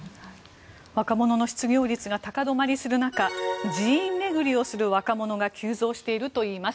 若者の失業率が高止まりする中寺院巡りをする若者が急増しているといいます。